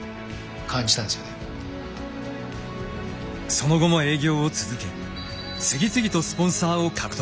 その後も営業を続け次々とスポンサーを獲得。